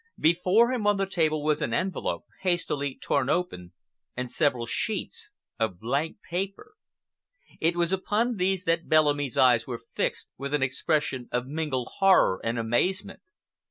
Before him on the table was an envelope, hastily torn open, and several sheets of blank paper. It was upon these that Bellamy's eyes were fixed with an expression of mingled horror and amazement.